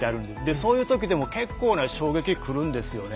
そういうだけでも結構な衝撃くるんですよね